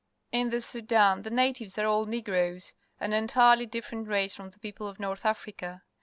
In the Sudan the natives are all Negroes, an entirely different race from the people of North Africa.